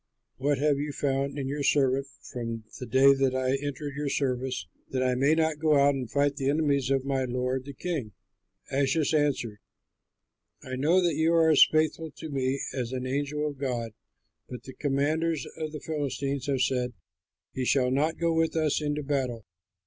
What have you found in your servant from the day that I entered your service, that I may not go out and fight the enemies of my lord the king?" Achish answered, "I know that you are as faithful to me as an angel of God, but the commanders of the Philistines have said, 'He shall not go with us into battle.'